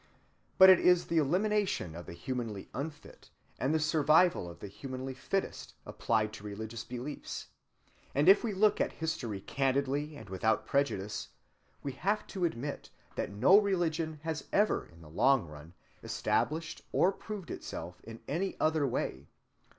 It is but the elimination of the humanly unfit, and the survival of the humanly fittest, applied to religious beliefs; and if we look at history candidly and without prejudice, we have to admit that no religion has ever in the long run established or proved itself in any other way.